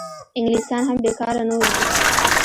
انګلیسیان هم بېکاره نه وو ناست.